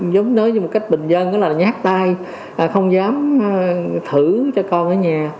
giống như một cách bình dân nhát tay không dám thử cho con ở nhà